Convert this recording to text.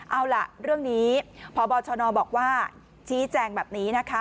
เอาล่ะเรื่องนี้พบชนบอกว่าชี้แจงแบบนี้นะคะ